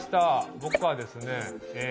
僕はですね。